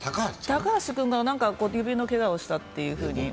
高橋君が指のけがをしちゃったっていうふうに。